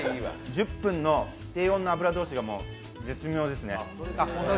１０分の低温の油通しが絶妙ですね。